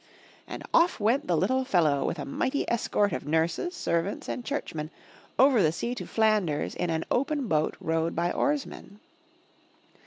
And off went the little fellow with a mighty escort of nurses, servants and churchmen, over the sea to Flanders in an open boat rowed by oarsmen.